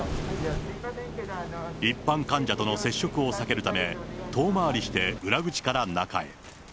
一般患者との接触を避けるため、遠回りして裏口から中へ。